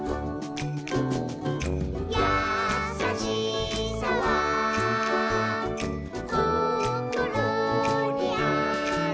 「やさしさはこころにあるから」